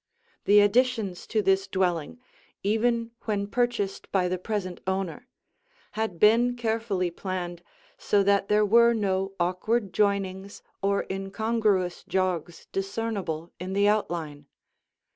The additions to this dwelling, even when purchased by the present owner, had been carefully planned, so that there were no awkward joinings or incongruous jogs discernible in the outline.